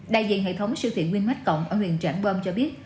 đại diện hệ thống sưu thiện winmate cộng ở huyện trạng bom cho biết